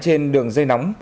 trên đường dây nóng